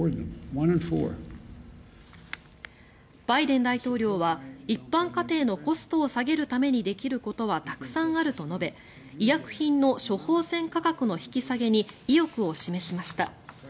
バイデン大統領は一般家庭のコストを下げるためにできることはたくさんあると述べ医薬品の処方せん価格の引き下げに意欲を示しました。